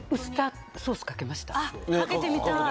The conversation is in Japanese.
あっかけてみたい。